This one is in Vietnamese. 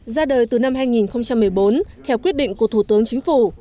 ra đời từ năm hai nghìn một mươi bốn theo quyết định của thủ tướng chính phủ